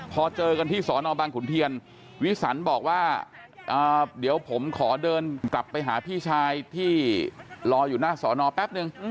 พอเจอกันที่สอนอบังขุนเทียนวิสันบอกว่าเดี๋ยวผมขอเดินกลับไปหาพี่ชายที่รออยู่หน้าสอนอแป๊บนึง